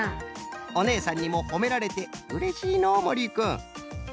おねえさんにもほめられてうれしいのうもりいくん！